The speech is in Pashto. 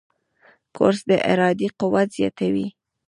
کورس د ارادې قوت زیاتوي.